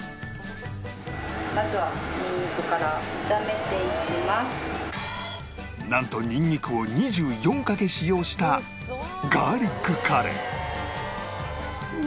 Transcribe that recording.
まずはなんとニンニクを２４かけ使用したガーリックカレー